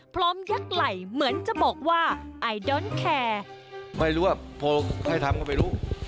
พร้อมยักไหลเหมือนจะบอกว่าไอดอนแคร์